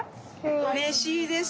うれしいです。